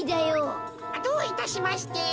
どういたしまして。